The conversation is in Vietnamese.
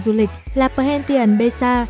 du lịch là perhentian besa